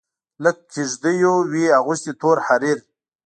لکه کیږدېو وي اغوستي تور حریر